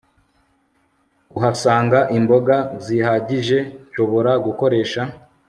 kuhasanga imboga zihagije nshobora gukoresha